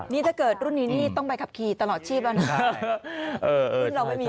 นี่ถ้าเกิดรุ่นนี้นี่ต้องไปขับขี่ตลอดชีพแล้วนะ